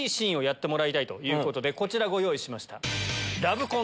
こちらご用意しました。